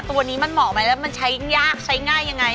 ตัวนี้มันเหมาะไหมแล้วมันใช้ยากใช้ง่ายยังไง